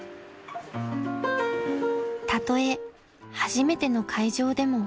［たとえ初めての会場でも］